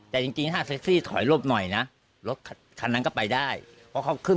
แต่แท็กซี่เขาก็บอกว่าแท็กซี่ควรจะถอยควรจะหลบหน่อยเพราะเก่งเทาเนี่ยเลยไปเต็มคันแล้ว